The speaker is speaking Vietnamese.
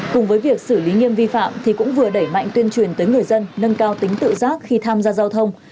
cùng với việc xử lý nghiêm vi phạm thì cũng vừa đẩy mạnh tuyên truyền tới người dân nâng cao tính tự giác khi tham gia giao thông